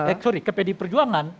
eh sorry kpd perjuangan